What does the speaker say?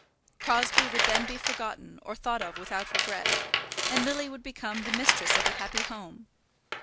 Crosbie would then be forgotten or thought of without regret, and Lily would become the mistress of a happy home.